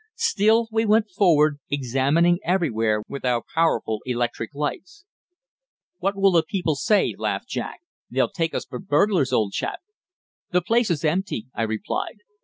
Still we went forward, examining everywhere with our powerful electric lights. "What will the people say?" laughed Jack. "They'll take us for burglars, old chap!" "The place is empty," I replied.